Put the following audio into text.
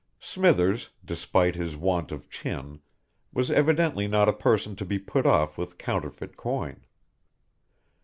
Smithers, despite his want of chin, was evidently not a person to be put off with counterfeit coin.